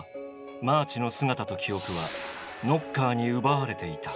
マーチの姿と記憶はノッカーに奪われていた。